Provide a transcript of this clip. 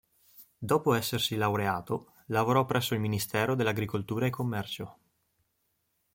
Dopo essersi laureato, lavorò presso il Ministero dell'Agricoltura e Commercio.